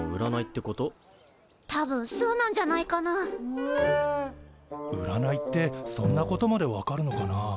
うらないってそんなことまでわかるのかな？